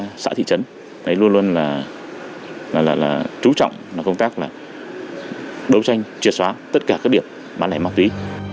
công tác xã thị trấn luôn luôn là trú trọng công tác đấu tranh triệt xóa tất cả các điểm bán đẩy ma túy